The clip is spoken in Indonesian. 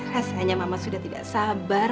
rasanya mama sudah tidak sabar